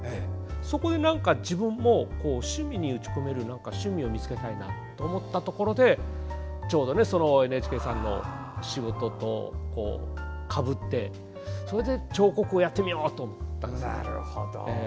そこで自分も打ち込める趣味を見つけたいなと思ったところでちょうどＮＨＫさんの仕事とかぶってそれで彫刻をやってみようと思ったんです。